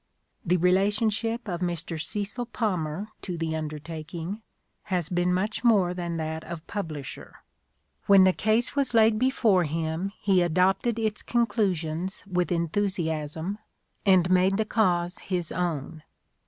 The relationship of Mr. Cecil Palmer to the under taking has been much more than that of publisher. When the case was laid before him he adopted its con 6 PREFACE elusions with enthusiasm and made the cause his own.